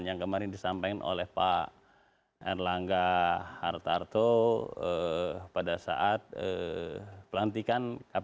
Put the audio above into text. yang kemarin disampaikan oleh pak erlangga hartarto pada saat pelantikan kpk